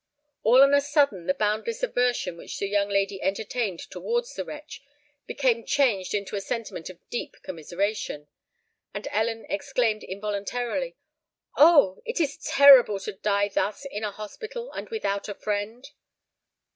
All on a sudden the boundless aversion which the young lady entertained towards the wretch, became changed into a sentiment of deep commiseration; and Ellen exclaimed involuntarily, "Oh! it is terrible to die thus—in a hospital—and without a friend!"